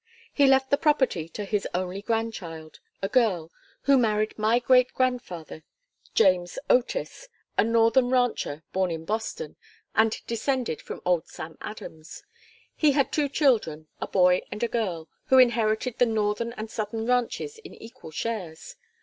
He left the property to his only grandchild, a girl, who married my great grandfather, James Otis a northern rancher, born in Boston, and descended from old Sam Adams. He had two children, a boy and a girl, who inherited the northern and southern ranches in equal shares.